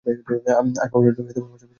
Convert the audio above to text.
আপনার পত্র পড়ে যুগপৎ হর্ষ ও বিষাদ হল।